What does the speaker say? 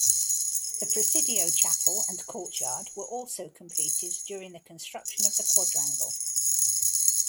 The Presidio Chapel and courtyard were also completed during the construction of the quadrangle.